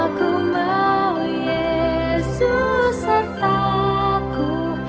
aku mau yesus sertaku